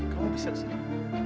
kamu bisa disini